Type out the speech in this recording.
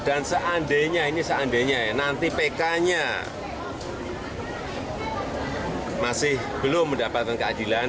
dan seandainya ini seandainya ya nanti pk nya masih belum mendapatkan keadilan